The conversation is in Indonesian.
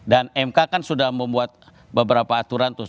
dan mk kan sudah membuat beberapa aturan